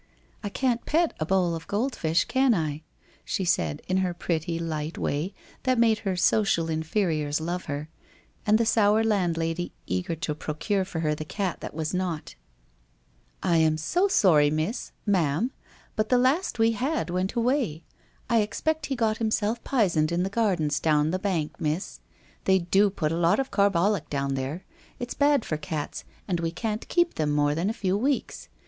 ' I can't pet a bowl of gold fish, can I ?' she said in her pretty light way that made her social inferiors love her, and the sour landlady eager to procure for her the cat that was not. ' I am so sorry, Miss — Ma'am, but the last we had went away. I expect he got himself pisened in the gardens down the bank, Miss. They do put a lot of carbolic down there. It's bad for cats and we can't keep them more than a few weeks.